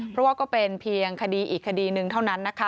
เพราะว่าก็เป็นเพียงคดีอีกคดีหนึ่งเท่านั้นนะคะ